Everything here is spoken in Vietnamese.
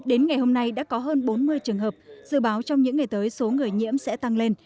đến ngày hôm nay đã có hơn bốn mươi trường hợp dự báo trong những ngày tới số người nhiễm sẽ tăng lên